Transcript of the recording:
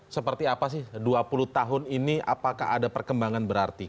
seperti apa sih dua puluh tahun ini apakah ada perkembangan berarti